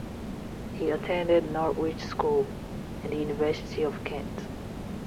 He attended Norwich School and the University of Kent.